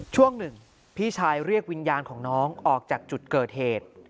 ช่วงหนึ่งพี่ชายเรียกวิญญาณของน้องออกจากจุดเกิดเหตุ